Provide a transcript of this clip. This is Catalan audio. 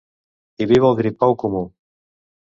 Hi viu el gripau comú.